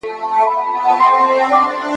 پخپله یې وژلی په تیاره لار کي مشل دی `